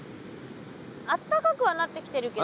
あったかくはなってきてるけど。